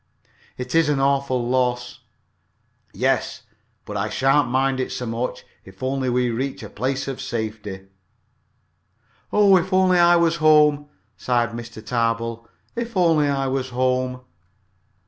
"It is an awful loss." "Yes but I sha'n't mind it so much, if only we reach a place of safety." "Oh, if only I was home!" sighed Mr. Tarbill. "If only I was home!"